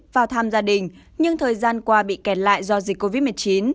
vào thăm gia đình nhưng thời gian qua bị kẹt lại do dịch covid một mươi chín